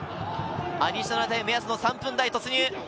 アディショナルタイム目安の３分台突入。